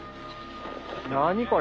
何これ。